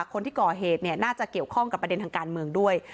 คนที่ก่อเหตุเนี่ยน่าจะเกี่ยวข้องกับประเด็นทางการเมืองด้วย